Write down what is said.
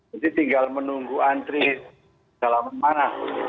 jadi tinggal menunggu antri dalam mana